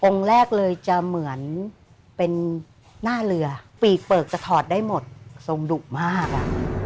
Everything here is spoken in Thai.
แรกเลยจะเหมือนเป็นหน้าเรือปีกเปลือกจะถอดได้หมดทรงดุมากอ่ะ